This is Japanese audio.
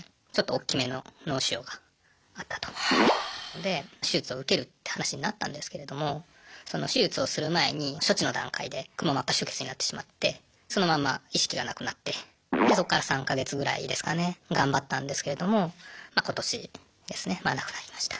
で手術を受けるって話になったんですけれどもその手術をする前に処置の段階でくも膜下出血になってしまってそのまま意識がなくなってでそこから３か月ぐらいですかね頑張ったんですけれどもま今年ですねまあ亡くなりました。